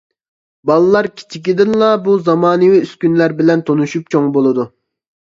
بالىلار كىچىكىدىنلا بۇ زامانىۋى ئۈسكۈنىلەر بىلەن تونۇشۇپ چوڭ بولىدۇ.